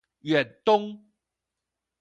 遠東